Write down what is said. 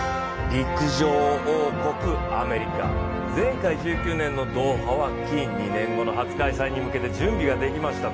陸上王国アメリカ、前回１９年のドーハは金、２年後の初開催に向けて準備ができました。